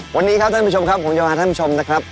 วันนี้ครับท่านผู้ชมครับผมจะพาท่านผู้ชมนะครับ